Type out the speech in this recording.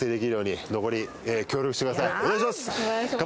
お願いします！